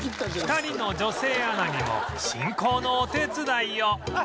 ２人の女性アナにも進行のお手伝いを